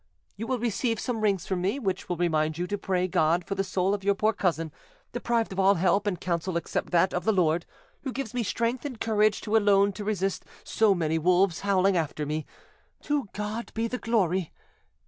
You will receive some rings from me, which will remind you to pray God for the soul of your poor cousin, deprived of all help and counsel except that of the Lord, who gives me strength and courage to alone to resist so many wolves howling after me. To God be the glory.